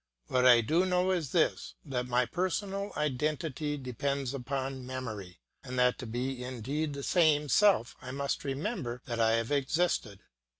What I do know is this, that my personal identity depends upon memory, and that to be indeed the same self I must remember that I have existed.